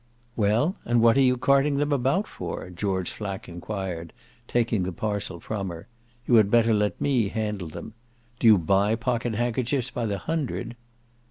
"Well, what are you carting them about for?" George Flack enquired, taking the parcel from her. "You had better let me handle them. Do you buy pocket handkerchiefs by the hundred?"